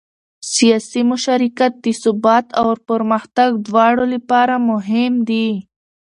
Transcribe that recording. سیاسي مشارکت د ثبات او پرمختګ دواړو لپاره مهم دی